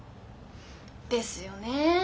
ですよねえ。